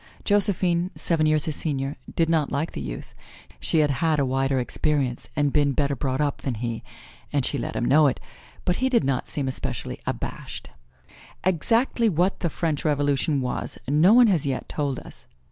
Josephine, seven years his senior, did not like the youth. She had had a wider experience and been better brought up than he, and she let him know it, but he did not seem especially abashed. Exactly what the French Revolution was, no one has yet told us.